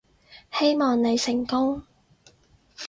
希望你成功